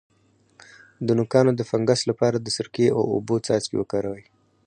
د نوکانو د فنګس لپاره د سرکې او اوبو څاڅکي وکاروئ